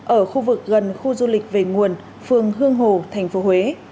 ở khu vực gần khu du lịch về nguồn phường hương hồ tp huế